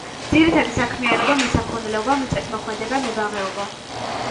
ძირითადი საქმიანობაა მესაქონლეობა, მიწათმოქმედება, მებაღეობა.